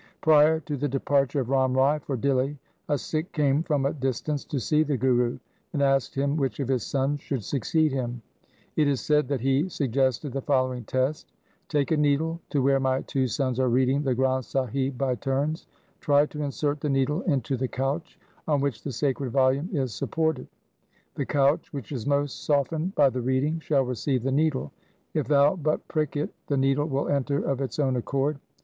Prior to the departure of Ram Rai for Dihli a Sikh came from a distance to see the Guru, and asked him which of his sons should succeed him. 1 Maru ki War I. 2 Bilawal ki War. LIFE OF GURU HAR RAI 3" It is said that he suggested the following test —' Take a needle to where my two sons are reading the Granth Sahib by turns. Try to insert the needle into the couch on which the sacred volume is sup ported. The couch which is most softened by the reading shall receive the needle. If thou but prick it, the needle will enter of its own accord.'